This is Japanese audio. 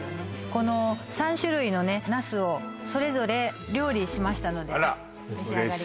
この３種類のナスをそれぞれ料理しましたのであら嬉しいお召し上がり